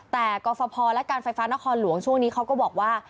แต่กรฟภและการไฟฟ้านครหลวงช่วงนี้เขาก็บอกว่า